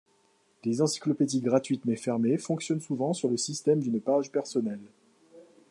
Les encyclopédies gratuites mais fermées fonctionnent souvent sur le système d'une page personnelle.